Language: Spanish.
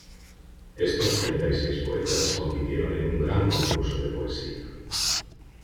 Estos treinta y seis poetas compitieron en un gran concurso de poesía.